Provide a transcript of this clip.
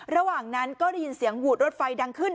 ระหว่างนั้นก็ได้ยินเสียงหวูดรถไฟดังขึ้น